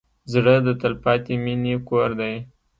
زړه د تلپاتې مینې کور دی.